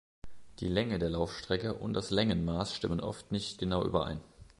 Die Länge der Laufstrecke und das Längenmaß stimmen oft nicht genau überein.